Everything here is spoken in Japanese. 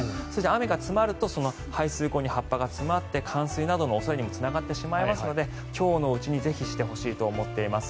雨が強まると排水溝に葉っぱが詰まって冠水などの恐れにもつながってしまいますので今日のうちにぜひしてほしいと思っています。